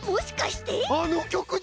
あのきょくじゃな？